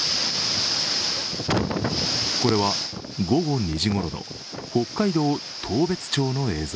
これは午後２時ごろの北海道当別町の映像。